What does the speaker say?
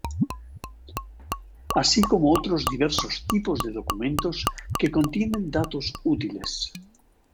Así como otros diversos tipos de documentos que contienen datos útiles.